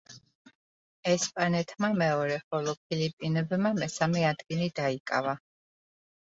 ესპანეთმა მეორე, ხოლო ფილიპინებმა მესამე ადგილი დაიკავა.